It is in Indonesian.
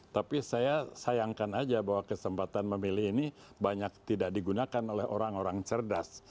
tapi saya sayangkan aja bahwa kesempatan memilih ini banyak tidak digunakan oleh orang orang cerdas